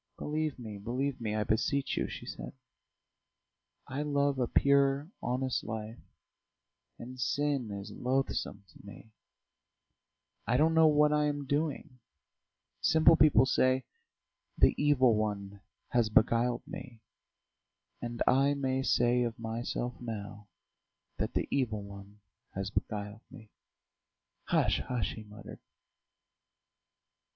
"Believe me, believe me, I beseech you ..." she said. "I love a pure, honest life, and sin is loathsome to me. I don't know what I am doing. Simple people say: 'The Evil One has beguiled me.' And I may say of myself now that the Evil One has beguiled me." "Hush, hush!..." he muttered.